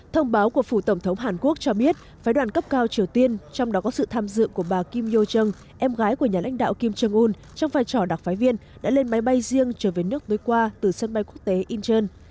thông báo của phủ tổng thống hàn quốc cho biết phái đoàn cấp cao triều tiên trong đó có sự tham dự của bà kim youchong em gái của nhà lãnh đạo kim jong un trong vai trò đặc phái viên đã lên máy bay riêng trở về nước với qua từ sân bay quốc tế incheon